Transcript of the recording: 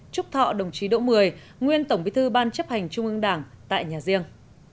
chúc thọ đồng chí đỗ mười nguyên tổng bí thư ban chấp hành trung ương đảng tại nhà riêng